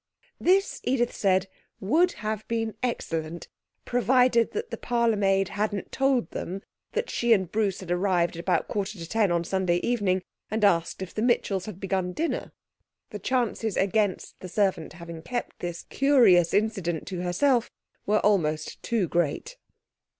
This, Edith said, would have been excellent, provided that the parlourmaid hadn't told them that she and Bruce had arrived about a quarter to ten on Sunday evening and asked if the Mitchells had begun dinner. The chances against the servant having kept this curious incident to herself were almost too great.